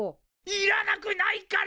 いらなくないから！